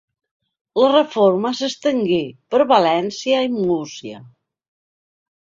La reforma s'estengué per València i Múrcia.